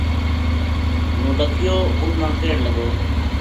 نولکھیو انھ نا کہن لگو